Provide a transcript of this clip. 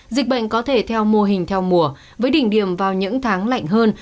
dịch bệnh có thể theo mô hình theo mùa với đỉnh điểm vào những tháng lạnh hơn